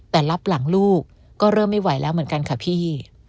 แต่รับหลังลูกก็เริ่มไม่ไหวแล้วเหมือนกันค่ะพี่